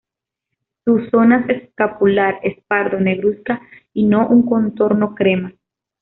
Sus zona escapular es pardo negruzca y no un contorno crema.